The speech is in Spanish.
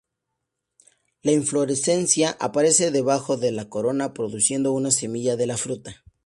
La inflorescencia aparece debajo de la corona, produciendo una semilla de la fruta.